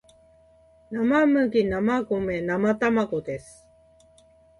生麦生米生卵です